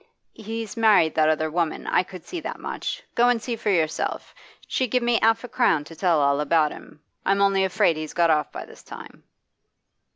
'He's married that other woman, I could see that much. Go and see for yourself. She give me 'alf a crown to tell all about him. I'm only afraid he's got off by this time.